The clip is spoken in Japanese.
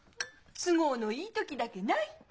都合のいい時だけない！